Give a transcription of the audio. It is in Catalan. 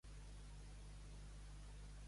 Què va esdevenir aquesta llegenda?